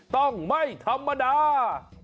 ต้องไม่ธรรมดา